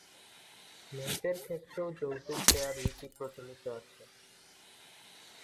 মেয়েদের ক্ষেত্রেও যৌতুক দেয়ার রীতি প্রচলিত আছে।